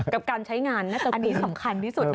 กับการใช้งานน่าจะอันนี้สำคัญที่สุด